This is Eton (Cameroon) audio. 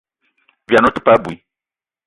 Vian ou te paa abui.